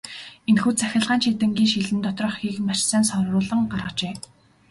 Энэхүү цахилгаан чийдэнгийн шилэн доторх хийг маш сайн соруулан гаргажээ.